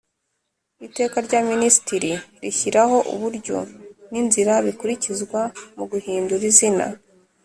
Iteka rya Minisitiri rishyiraho uburyo n inzira bikurikizwa mu guhindura izina